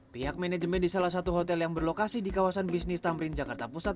pihak manajemen di salah satu hotel yang berlokasi di kawasan bisnis tamrin jakarta pusat